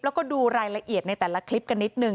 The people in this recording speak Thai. แล้วก็ดูรายละเอียดในแต่ละคลิปกันนิดนึง